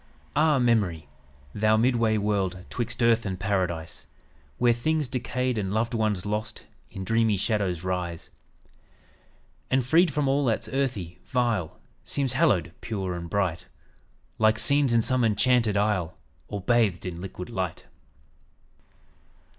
"Ah, Memory! thou midway world 'Twixt earth and paradise, Where things decayed and loved ones lost In dreamy shadows rise. "And freed from all that's earthy, vile, Seems hallowed, pure and bright, Like scenes in some enchanted isle, All bathed in liquid light."